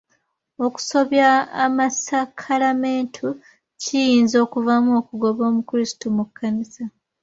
Okusobya amasakalamentu kiyinza okuvaamu okugoba omukrisitu mu kkanisa.